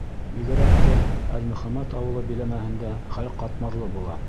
Бигерәк тә Әлмөхәмәт ауылы биләмәһендә хәл ҡатмарлы була.